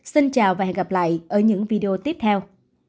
xin chào và hẹn gặp lại ở những video tiếp theo